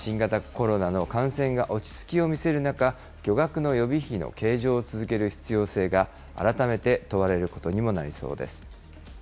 新型コロナの感染が落ち着きを見せる中、巨額の予備費の計上を続ける必要性が改めて問われることにもなりそうです。